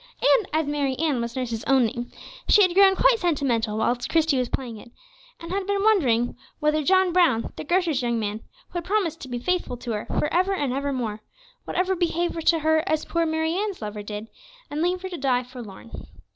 And as Mary Ann was nurse's own name, she had grown quite sentimental whilst Christie was playing it, and had been wondering whether John Brown, the grocer's young man, who had promised to be faithful to her for ever and ever more, would ever behave to her as poor Mary Ann's lover did, and leave her to die forlorn.